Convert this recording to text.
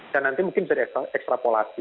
dan nanti mungkin bisa di ekstrapolasi